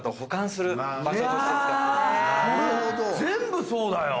これ全部そうだよ。